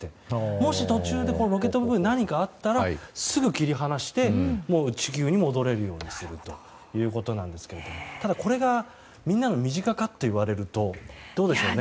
もし、途中でロケット部分に何かあったら、すぐに切り離して地球に戻れるようにするということだそうですがこれが身近というとどうですかね。